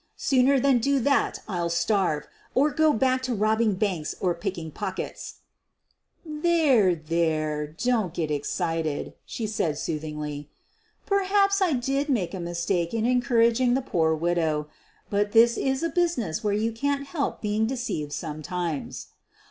Sooner than do that I'll starve — or go back to rob bing banks or picking pockets." 100 SOPHIE LYONS "There, there — don't get excited," she said sooth' ingly. " Perhaps I did make a mistake in encourage ing the poor widow. But this is a business where you can't help being deceived sometimes.